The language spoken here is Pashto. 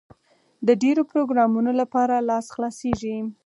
د ډېرو پروګرامونو لپاره لاس خلاصېږي.